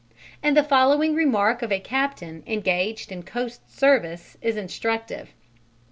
And the following remark of a captain engaged in coast service is instructive.